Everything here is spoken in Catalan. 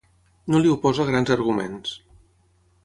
No li oposa grans arguments.